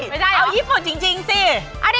ไม่ใช่เอาญี่ปุ่นจริงสิ